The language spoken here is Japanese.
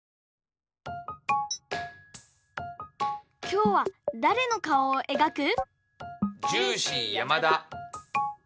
きょうはだれのかおをえがく？